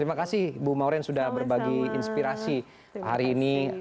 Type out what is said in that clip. terima kasih ibu maureen sudah berbagi inspirasi hari ini